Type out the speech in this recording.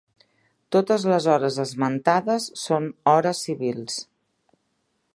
Totes les hores esmentades són hores civils.